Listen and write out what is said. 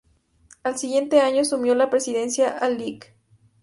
Al siguiente año, asumió la presidencia el Lic.